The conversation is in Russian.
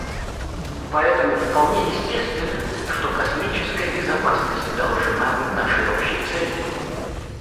Поэтому вполне естественно, что космическая безопасность должна быть нашей общей целью.